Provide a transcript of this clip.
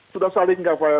sudah saling apa ya